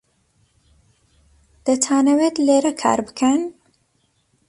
دەتانەوێت لێرە کار بکەن؟